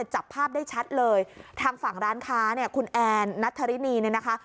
จับภาพได้ชัดเลยทางฝั่งร้านค้าคุณแอนณธรินีนะคะ